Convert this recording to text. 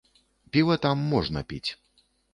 Піва там можна піць.